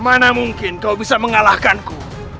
mana mungkin kau bisa mengalahkanku